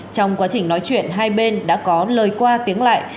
trong quá trình nói chuyện hai bên đã có lời qua tiếng lại